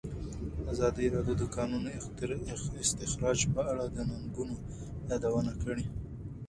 ازادي راډیو د د کانونو استخراج په اړه د ننګونو یادونه کړې.